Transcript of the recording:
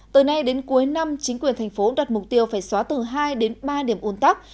từ nay đến cuối năm chính quyền thành phố đặt mục tiêu phải xóa từ hai đến ba điểm ồn tắc